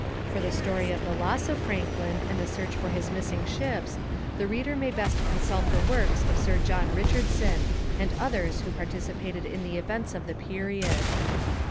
For the story of the loss of Franklin and the search for his missing ships the reader may best consult the works of Sir John Richardson, and others who participated in the events of the period.